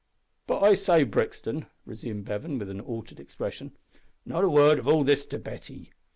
"But I say, Brixton," resumed Bevan, with an altered expression, "not a word of all this to Betty.